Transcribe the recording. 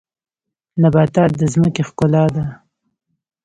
نباتات د ځمکې ښکلا ده